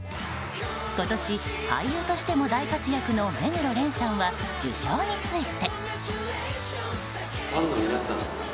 今年、俳優としても大活躍の目黒蓮さんは受賞について。